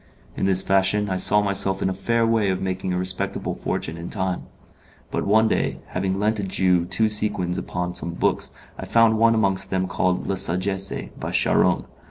In this fashion I saw myself in a fair way of making a respectable fortune in time; but one, day, having lent a Jew two sequins upon some books, I found one amongst them called 'La Sagesse,' by Charron.